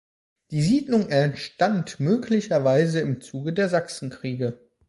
Die Siedlung entstand möglicherweise im Zuge der Sachsenkriege.